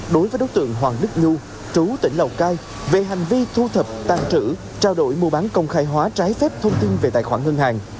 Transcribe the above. đối với đối tượng hoàng đức nhu trú tỉnh lào cai về hành vi thu thập tàn trữ trao đổi mua bán công khai hóa trái phép thông tin về tài khoản ngân hàng